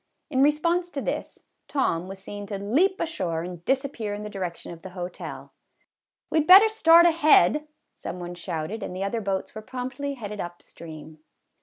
In response to this, Tom was seen to leap ashore and disappear in the direction of the hotel. " We 'd better start ahead," some one shouted, and the other boats were promptly headed up stream.